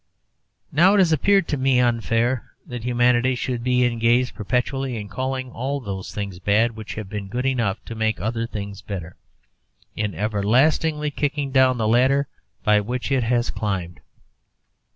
Now it has appeared to me unfair that humanity should be engaged perpetually in calling all those things bad which have been good enough to make other things better, in everlastingly kicking down the ladder by which it has climbed.